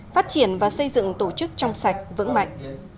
phát triển và xây dựng tổ chức trong sạch vững mạnh